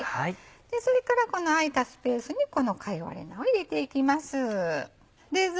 でそれからこの空いたスペースにこの貝割れ菜を入れていきます。